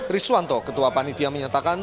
risuanto ketua panitia menyatakan